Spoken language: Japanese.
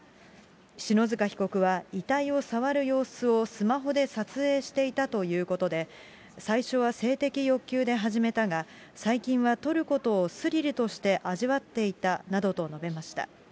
篠塚被告は、遺体を触る様子をスマホで撮影していたということで、最初は性的欲求で始めたが、最近は撮ることをスリルとして味わっていたなどと述べました。